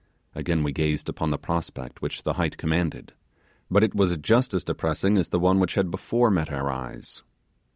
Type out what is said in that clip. Again we gazed upon the prospect which the height commanded, but it was just as depressing as the one which had before met our eyes.